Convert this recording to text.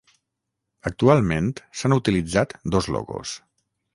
Actualment s'han utilitzat dos logos.